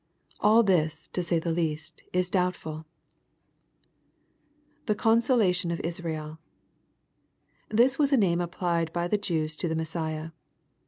All this^ to say the least^ is d«ubtmL [The consolation oflsraeL] This was a name applied by the Jews to the Messiah.